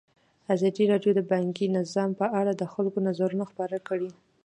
ازادي راډیو د بانکي نظام په اړه د خلکو نظرونه خپاره کړي.